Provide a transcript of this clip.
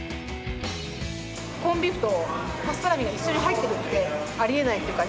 コンビーフとパストラミが一緒に入ってるってありえないっていうか